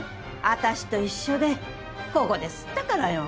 私と一緒でここですったからよ。